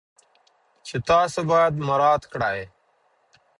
چې تاسو باید مراعات کړئ.